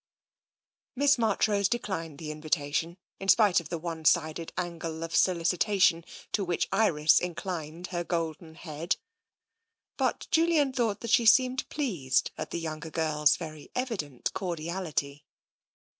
Miss Marchrose declined the invitation in spite of the one sided angle of solicitation to which Iris in clined her golden head, but Julian thought that she seemed pleased at the younger girl's very evident cor diality.